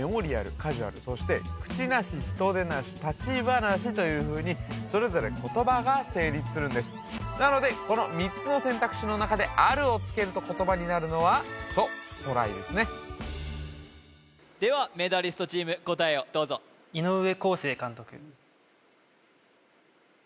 カジュアルそしてクチナシ人でなし立ち話というふうにそれぞれ言葉が成立するんですなのでこの３つの選択肢の中で「ある」を付けると言葉になるのはそうトライですねではメダリストチーム答えをどうぞいのうえこうせい監督